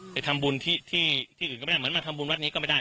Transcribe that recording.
ไปทำบุญที่อื่นก็ไม่ได้เหมือนมาทำบุญวัดนี้ก็ไม่ได้